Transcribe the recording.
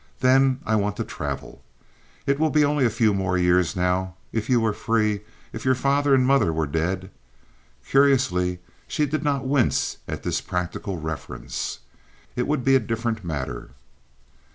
Then I want to travel. It will only be a few more years now. If you were free—if your father and mother were dead"—curiously she did not wince at this practical reference—"it would be a different matter."